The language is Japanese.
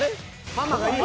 ハマがいい。